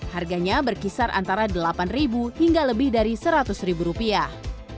harganya berkisar antara delapan hingga lebih dari seratus ribu rupiah